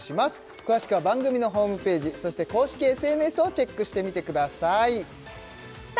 詳しくは番組のホームページそして公式ＳＮＳをチェックしてみてくださいさあ